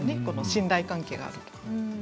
信頼関係があると。